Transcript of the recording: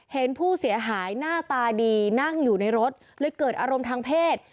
เห็นผู้เสียหายหน้าตาดีนั่งอยู่ในรถเลยเกิดอารมณ์ทางเพศ